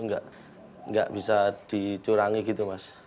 nggak bisa dicurangi gitu mas